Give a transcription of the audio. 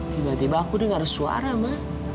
tiba tiba aku dengar suara mah